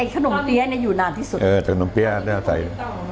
แต่มีไอ้ขนมเปรี้ยนี่อยู่นานที่สุด